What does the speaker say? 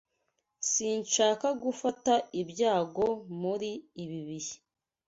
Sinshaka gufata ibyago muri ibi bihe.